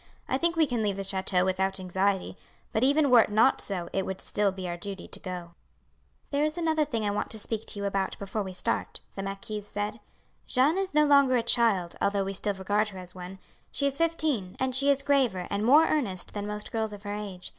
I think we can leave the chateau without anxiety, but even were it not so it would still be our duty to go." "There is another thing I want to speak to you about before we start," the marquise said. "Jeanne is no longer a child, although we still regard her as one; she is fifteen, and she is graver and more earnest than most girls of her age.